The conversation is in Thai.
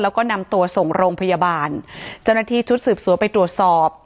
แล้วก็นำตัวส่งโรงพยาบาลเจ้าหน้าที่ชุดสืบสวนไปตรวจสอบ